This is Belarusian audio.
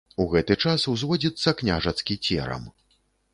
У гэты час узводзіцца княжацкі церам.